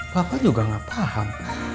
papa juga gak paham